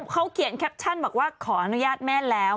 เขาเขียนแคปชั่นบอกว่าขออนุญาตแม่แล้ว